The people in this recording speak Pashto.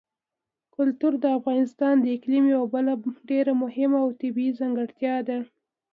کلتور د افغانستان د اقلیم یوه بله ډېره مهمه او طبیعي ځانګړتیا ده.